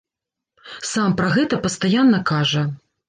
Сам пра гэта пастаянна кажа.